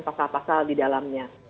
pasal pasal di dalamnya